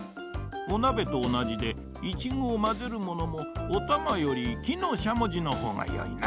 おなべとおなじでイチゴをまぜるものもおたまよりきのしゃもじのほうがよいな。